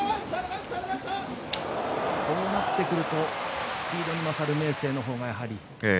こうなってくるとスピードに勝る明生の方が。